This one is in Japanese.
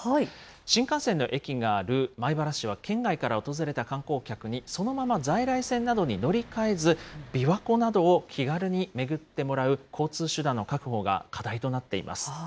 新幹線の駅がある米原市は、県外から訪れた観光客に、そのまま在来線などに乗り換えず、びわ湖などを気軽に巡ってもらう交通手段の確保が課題となっています。